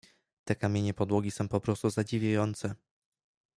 "Te kamienie podłogi są poprostu zadziwiające."